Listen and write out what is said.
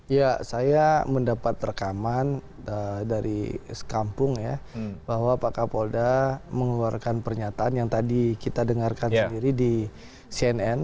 ya saya mendapat rekaman dari kampung ya bahwa pak kapolda mengeluarkan pernyataan yang tadi kita dengarkan sendiri di cnn